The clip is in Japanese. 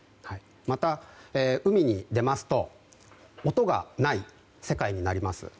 また、海に出ますと音がない世界になります。